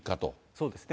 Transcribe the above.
そうですね。